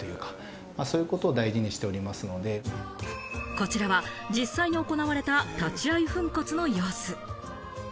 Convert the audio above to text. こちらは実際に行われた立会い粉骨の様子。